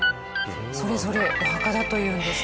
それぞれお墓だというんですね